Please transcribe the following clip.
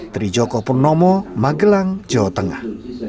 trijoko purnomo magelang jawa tengah